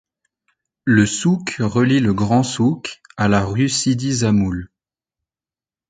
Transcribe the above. Le souk relie le Grand souk à la rue Sidi Zahmoul.